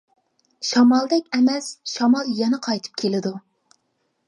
شامالدەك ئەمەس شامال يەنە قايتىپ كېلىدۇ.